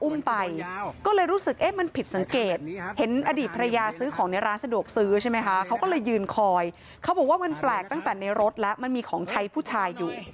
ก็เลยรู้สึกเอ๊ะมันผิดสังเกตเห็นอดีตภรรยาซื้อของในร้านสะดวกซื้อใช่ไหมคะเขาก็เลยยืนคอยเขาบอกว่ามันแปลกตั้งแต่ในรถแล้วมันมีของใช้ผู้ชายอยู่